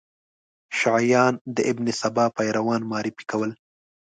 شیعیان د ابن سبا پیروان معرفي کول.